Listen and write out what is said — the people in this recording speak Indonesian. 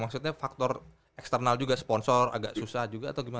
maksudnya faktor eksternal juga sponsor agak susah juga atau gimana